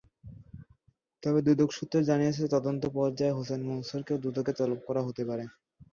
তবে দুদক সূত্র জানিয়েছে, তদন্ত পর্যায়ে হোসেন মনসুরকেও দুদকে তলব করা হতে পারে।